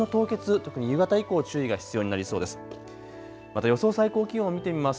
特に夕方以降、注意が必要になりそうです。